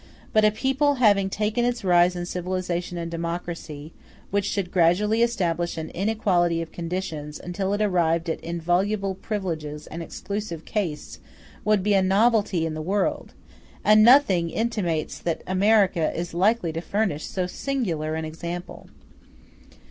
But a people, having taken its rise in civilization and democracy, which should gradually establish an inequality of conditions, until it arrived at inviolable privileges and exclusive castes, would be a novelty in the world; and nothing intimates that America is likely to furnish so singular an example.